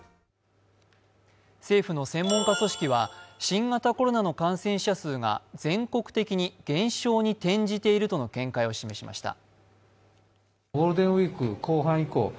政府の専門家組織は新型コロナの感染者数が全国的に減少に転じているとの見解を示しました。